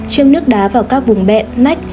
châm nước đá vào các vùng bẹn nách